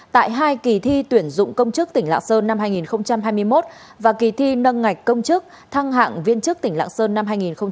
tại hai kỳ thi tuyển dụng công chức tỉnh lạng sơn năm hai nghìn hai mươi một và kỳ thi nâng ngạch công chức thăng hạng viên chức tỉnh lạng sơn năm hai nghìn hai mươi